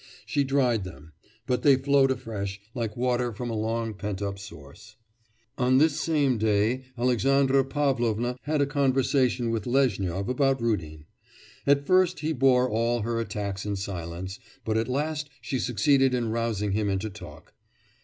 She dried them; but they flowed afresh, like water from a long pent up source. On this same day Alexandra Pavlovna had a conversation with Lezhnyov about Rudin. At first he bore all her attacks in silence; but at last she succeeded in rousing him into talk.